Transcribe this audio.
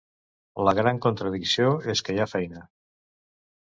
La gran contradicció és que hi ha feina.